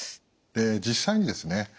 実際にですね